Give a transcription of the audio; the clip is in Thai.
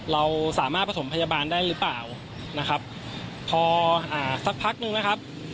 เราสามารถประถมพยาบาลได้หรือเปล่านะครับพออ่าสักพักนึงนะครับ